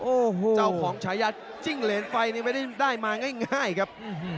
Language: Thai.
โอ้โหเจ้าของฉายาจิ้งเหรนไฟนี่ไม่ได้มาง่ายครับ